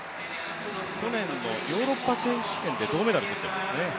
去年のヨーロッパ選手権で銅メダルをとっているんですね。